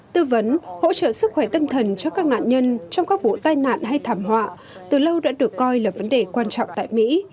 tư vấn hỗ trợ sức khỏe tâm thần cho các nạn nhân trong các vụ tai nạn hay thảm họa từ lâu đã được coi là vấn đề quan trọng tại mỹ